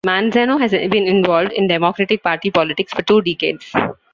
Manzano has been involved in Democratic Party politics for two decades.